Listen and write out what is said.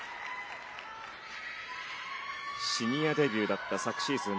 シニアデビューだった昨シーズン